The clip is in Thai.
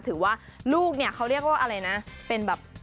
ลูกเนี่ยเขาเรียกว่าอะไรนะเป็นแบบ